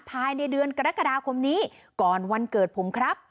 ภายในเดือนกรกฎาคมนี้ก่อนวันเกิดผมครับ